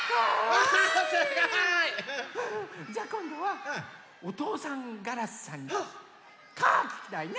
わあすごい！じゃこんどはおとうさんガラスさんの「カー」ききたいね。